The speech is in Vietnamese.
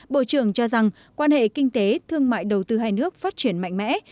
bộ trưởng cho rằng quan hệ kinh tế thương mại đầu tư hai nước phát triển mạnh mẽ